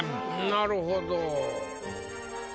なるほど。